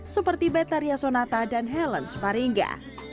seperti betaria sonata dan helen sparinga